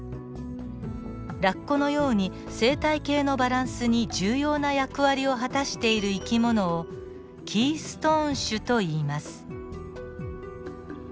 ラッコのように生態系のバランスに重要な役割を果たしている生き物をキーストーン種といいます。